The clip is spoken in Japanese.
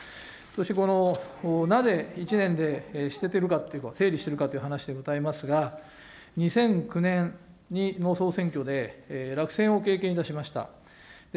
そしてこのなぜ、１年で捨ててるかという、整理しているかという話でございますが、２００９年の総選挙で落選をいたしました。